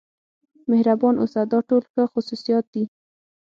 مهربان اوسه دا ټول ښه خصوصیات دي.